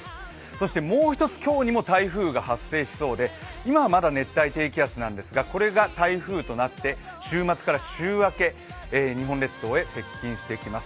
そしてもう一つ、今日にも台風が発生しそうで今はまだ熱帯低気圧なんですがこれが台風となって週末から週明け日本列島へ接近してきます。